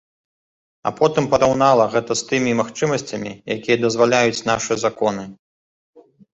А потым параўнала гэта з тымі магчымасцямі, якія дазваляюць нашы законы.